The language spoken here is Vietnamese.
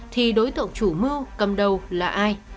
thì đối tượng chủ mưu cầm đầu là ai